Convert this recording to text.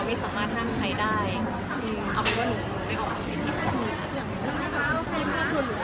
มีความคิดของตัวเอง